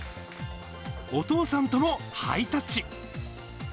お父さんともハイタッチ。